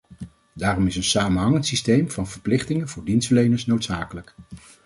Daarom is een samenhangend systeem van verplichtingen voor dienstverleners noodzakelijk.